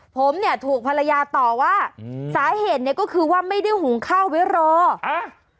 ผมเนี่ยถูกภรรยาต่อว่าอืมสาเหตุเนี้ยก็คือว่าไม่ได้หุงข้าวไว้รออ่า